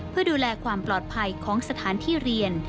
เพื่อดูแลความปลอดภัยของสถานที่เรียน